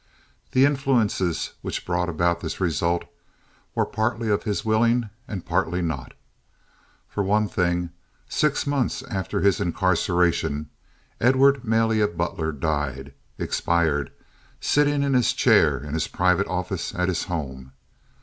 The influences which brought about this result were partly of his willing, and partly not. For one thing, some six months after his incarceration, Edward Malia Butler died, expired sitting in his chair in his private office at his home.